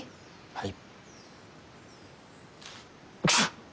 はい。